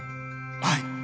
はい。